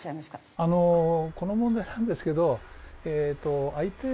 あのこの問題なんですけど。